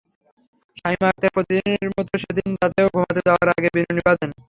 শামীমা আকতার প্রতিদিনের মতো সেদিন রাতেও ঘুমাতে যাওয়ার আগে বিনুনি বাঁধেন।